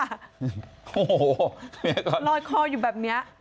โอ้โหลอยคออยู่แบบนี้